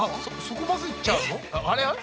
そこまずいっちゃうの？